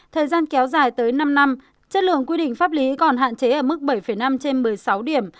thời gian kéo dài tới năm năm chất lượng quy định pháp lý còn hạn chế ở mức bảy năm trên một mươi sáu điểm